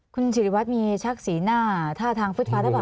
คุณศิริวัตรมีชักศรีหน้าท่าทางฟื้ดฟ้าได้ป่ะคะ